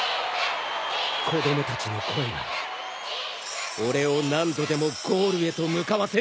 子供たちの声が俺を何度でもゴールへと向かわせる！